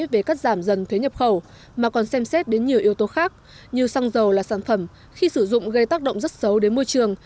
về cắt giảm dần thuế nhập khẩu mà còn xem xét đến nhiều yếu tố khác như xăng dầu là sản phẩm khi sử dụng gây tác động rất xấu đến môi trường